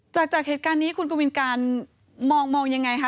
จากเหตุการณ์นี้คุณกวินการมองยังไงคะ